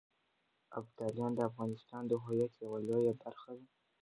ابداليان د افغانستان د هویت يوه لويه برخه ده.